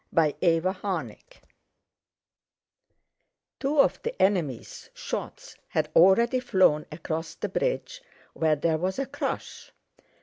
CHAPTER VII Two of the enemy's shots had already flown across the bridge, where there was a crush.